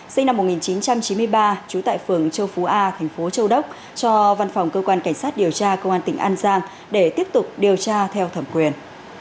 sinh năm một nghìn chín trăm chín mươi ba trú tại phường châu phú a thành phố châu đốc cho văn phòng cơ quan cảnh sát điều tra công an tỉnh an giang để tiếp tục điều tra theo thẩm quyền